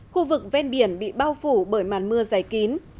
khu vực ven biển bị bao phủ bởi màn mưa giải kín